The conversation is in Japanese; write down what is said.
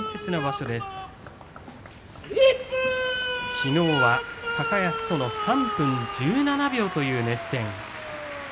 きのうは高安との３分１７秒という熱戦でした。